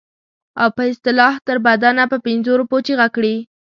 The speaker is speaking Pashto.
او په اصطلاح تر بنده په پنځو روپو چیغه کړي.